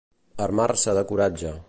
Armar-se de coratge.